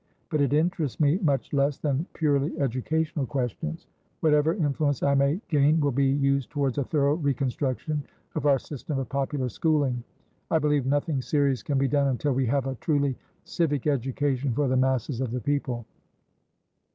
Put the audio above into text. But it interests me much less than purely educational questions. Whatever influence I may gain will be used towards a thorough reconstruction of our system of popular schooling. I believe nothing serious can be done until we have a truly civic education for the masses of the people."